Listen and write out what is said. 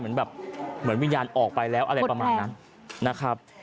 เหมือนวิญญาณออกไปแล้วอะไรประมาณนั้นนะครับ